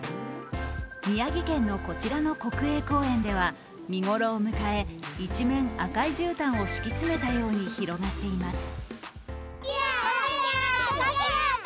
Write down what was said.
宮城県のこちらの国営公園では見頃を迎え、一面赤いじゅうたんを敷き詰めたように広がっています。